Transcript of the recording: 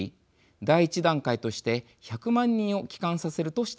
第１段階として１００万人を帰還させるとしています。